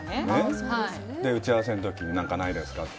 打ち合わせの時に何かないですかと。